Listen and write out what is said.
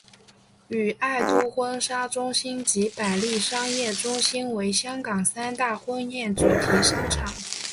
与爱都婚纱中心及百利商业中心为香港三大婚宴主题商场。